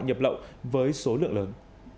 nhập lậu với số lượng lớn